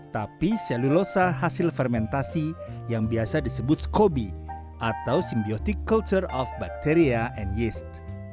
tapi selulosa hasil fermentasi yang biasa disebut scoby atau simbiotic culture of bacteria and yeast